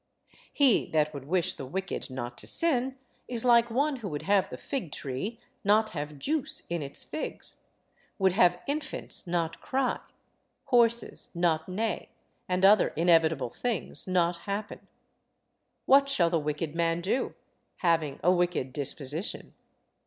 He that would wish the wicked not to sin is like one who would have the fig tree not have juice in its figs, would have infants not cry, horses not neigh, and other inevitable things not happen. What shall the wicked man do, having a wicked disposition?